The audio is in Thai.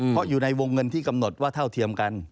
เพราะอยู่ในวงเงินที่กำหนดว่าเท่าเทียมกัน